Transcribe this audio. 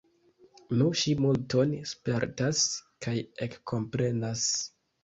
Nu, ŝi multon spertas, kaj ekkomprenas.